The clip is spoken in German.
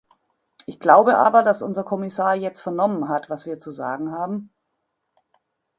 Ich glaube aber, dass unser Kommissar jetzt vernommen hat, was wir zu sagen haben.